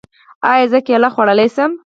ایا زه کیله خوړلی شم؟